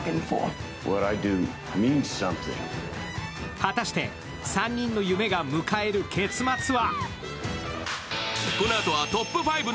果たして３人の夢が迎える結末は？